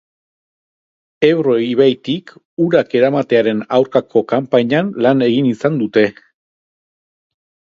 Ebro ibaitik urak eramatearen aurkako kanpainan lan egin izan dute.